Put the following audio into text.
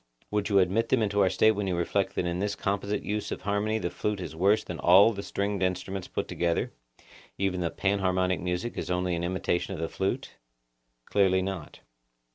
Would you admit them into our State when you reflect that in this composite use of harmony the flute is worse than all the stringed instruments put together; even the panharmonic music is only an imitation of the flute? Clearly not.